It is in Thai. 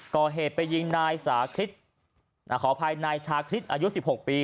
ก่อเหตุไปยิงนายสาคริสขออภัยนายชาคริสอายุ๑๖ปี